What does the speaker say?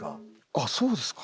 あっそうですか。